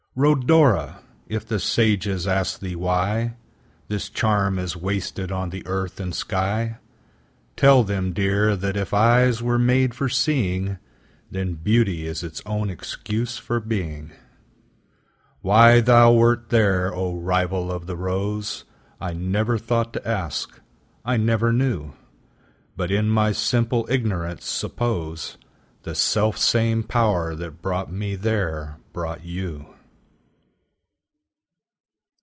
Rhodora! if the sages ask thee whyThis charm is wasted on the earth and sky, Tell them, dear, that if eyes were made for seeing, Then Beauty is its own excuse for being:Why thou wert there, O rival of the rose!I never thought to ask, I never knew:But, in my simple ignorance, supposeThe self same Power that brought me there brought you.